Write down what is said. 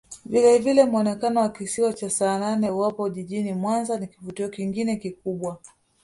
Vilevile muonekano wa Kisiwa cha Saanane uwapo jijini Mwanza ni kivutio kingine kikubwa